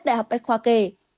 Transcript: lại học bách khoa kể